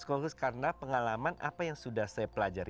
fokus karena pengalaman apa yang sudah saya pelajari